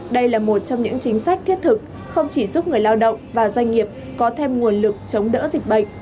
đây là một trong những chính sách thiết thực không chỉ giúp người lao động và doanh nghiệp có thêm nguồn lực chống đỡ dịch bệnh